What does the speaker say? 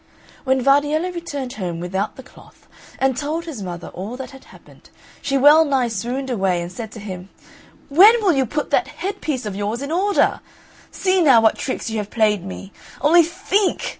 When Vardiello returned home without the cloth, and told his mother all that had happened, she wellnigh swooned away, and said to him, "When will you put that headpiece of yours in order? See now what tricks you have played me only think!